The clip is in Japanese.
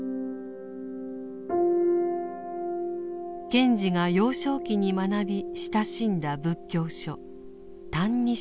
賢治が幼少期に学び親しんだ仏教書「歎異抄」。